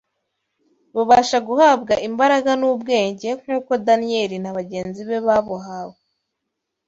babasha guhabwa imbaraga n’ubwenge nk’uko Daniyeli na bagenzi be babuhawe